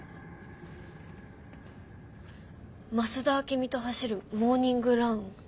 「増田明美と走るモーニングラン」？